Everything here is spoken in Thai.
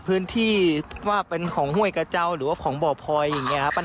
พื้นที่ว่าเป็นของห้วยกระเจ้าหรือว่าของบ่อพลอยอย่างนี้ครับ